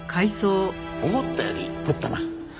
思ったより取ったな。